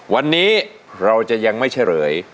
วันนี้เราจะยังไม่เฉลย